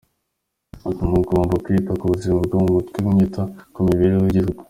Ati“mugomba kwita ku buzima bwo mu mutwe mwita ku mibereho y’igihugu .